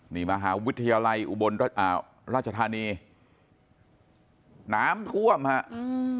นี่มหาวิทยาลัยอุบลอ่าราชธานีน้ำท่วมฮะอืม